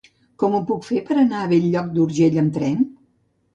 Com ho puc fer per anar a Bell-lloc d'Urgell amb tren?